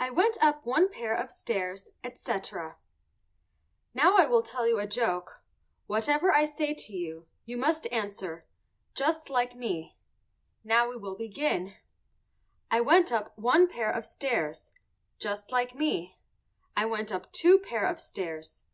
"I WENT UP ONE PAIR OF STAIRS," ETC. Now I will tell you a joke; whatever I say to you, you must answer "Just like me." Now we will begin. I went up one pair of stairs. Just like me. I went up two pair of stairs.